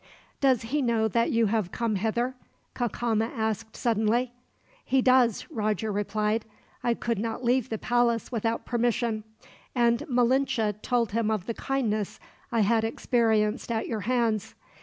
"Does he know that you have come hither?" Cacama asked suddenly. "He does," Roger replied. "I could not leave the palace without permission, and Malinche told him of the kindness I had experienced at your hands.